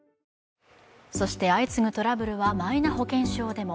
そして相次ぐトラブルはマイナ保険証でも。